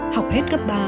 học hết cấp ba